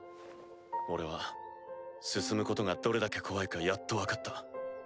俺は進むことがどれだけ怖いかやっと分かった。